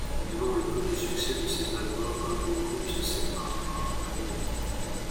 Devant le peu de succès de ces albums, le groupe se séparera à nouveau.